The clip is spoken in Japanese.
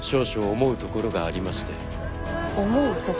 思うところ？